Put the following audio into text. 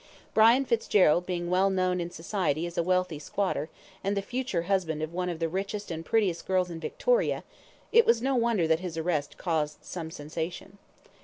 Brian Fitzgerald being well known in society as a wealthy squatter, and the future husband of one of the richest and prettiest girls in Victoria, it was no wonder that his arrest caused some sensation.